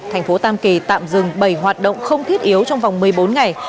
thành phố tam kỳ tạm dừng bảy hoạt động không thiết yếu trong vòng một mươi bốn ngày